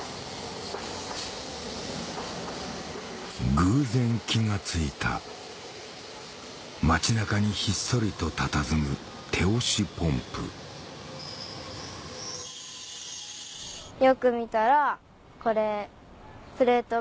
偶然気が付いた街中にひっそりとたたずむ手押しポンプこれ。